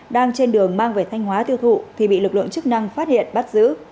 đang trên đường mang về thanh hóa tiêu thụ thì bị lực lượng chức năng phát hiện bắt giữ